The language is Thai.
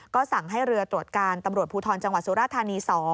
ก็สั่งให้เรือตรวจการตำรวจภูทรจังหวัดสุราธานี๒